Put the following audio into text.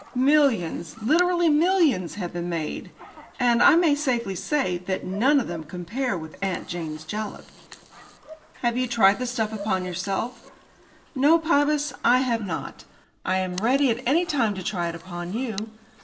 "Millions, literally millions, have been made, and, I may safely say, that none of them can compare with 'Aunt Jane's Jalap.'" "Have you tried the stuff upon yourself?" "No, Pybus, I have not. I am ready at any time to try it upon you.